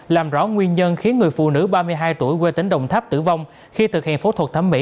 làm rõ nguyên nhân khiến người phụ nữ ba mươi hai tuổi quê tỉnh đồng tháp tử vong khi thực hiện phẫu thuật thẩm mỹ